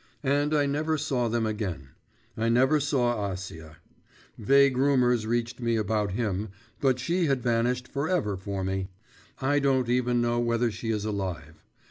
And I never saw them again I never saw Acia. Vague rumours reached me about him, but she had vanished for ever for me. I don't even know whether she is alive.